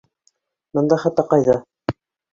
Бында хата ҡайҙа?